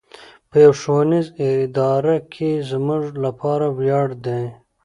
په يوه ښوونيزه اداره کې زموږ لپاره وياړ دی.